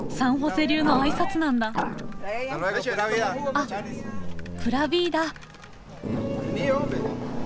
あっプラビーダ。